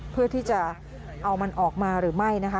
เพื่อที่จะเอามันออกมาหรือไม่นะคะ